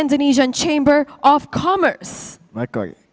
pemerintah pemerintah komers indonesia